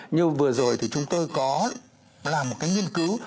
như vừa rồi thì chúng tôi có làm một cái nghiên cứu